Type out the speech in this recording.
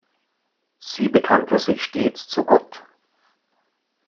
Sie bekannte sich stets zu Gott.